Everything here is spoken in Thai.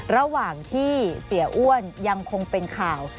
ระหว่างที่เสียอ้วนยังคงเป็นข่าว